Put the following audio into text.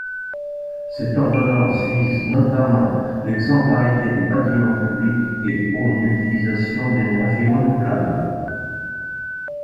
Cette ordonnance vise notamment l’exemplarité des bâtiments publics et prône l’utilisation d’énergies renouvelables.